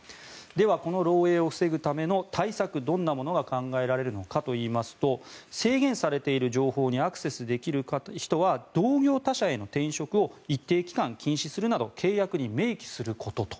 ではこの漏えいを防ぐための対策どんなものが考えられるのかというと制限されている情報にアクセスできる人は同業他社への転職を一定期間禁止するなど契約に明記すること。